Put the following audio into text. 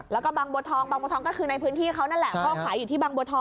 และก็บังบวทองบังบวทองก็คือในพื้นที่เขานั่นแหละ